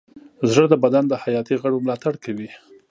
زړه د بدن د حیاتي غړو ملاتړ کوي.